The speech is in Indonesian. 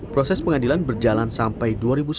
proses pengadilan berjalan sampai dua ribu sebelas